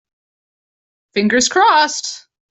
Fingers crossed!